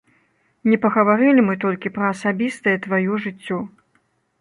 Не пагаварылі мы толькі пра асабістае тваё жыццё.